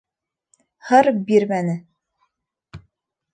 Һыр бирмәне.